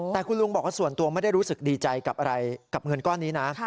แต่คุณลุงบอกว่าส่วนตัวไม่ได้รู้สึกดีใจกับอะไรกับเงินก้อนนี้นะ